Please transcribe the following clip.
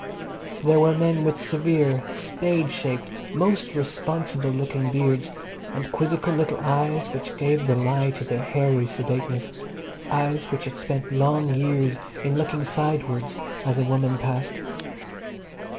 There were men with severe, spade shaped, most responsible looking beards, and quizzical little eyes which gave the lie to their hairy sedateness eyes which had spent long years in looking sidewards as a woman passed.